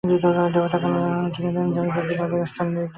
দেবতাগণ তখন অন্তর্হিত হন এবং যাগযজ্ঞই তাঁহাদের স্থান অধিকার করে।